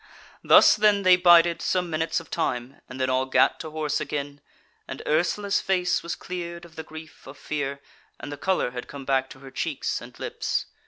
Thus then they bided some minutes of time, and then all gat to horse again, and Ursula's face was cleared of the grief of fear, and the colour had come back to her cheeks and lips.